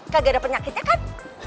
kagak ada penyakitnya kan